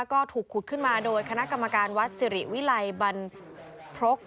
ก็ถูกขุดขึ้นมาโดยคณะกรรมการวัดสิริวิลัยบรรพรก